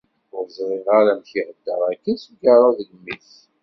Ur ẓriɣ ara amek ihedder akken s ugaṛṛu deg imi-s.